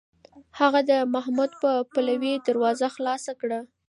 هغه د محمود په پلوۍ دروازه خلاصه کړه.